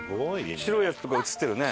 白いやつとか映ってるね。